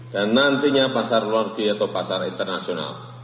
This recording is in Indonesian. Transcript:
dan nantinya pasar luar negeri atau pasar internasional